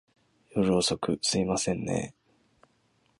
夜遅く、すいませんねぇ。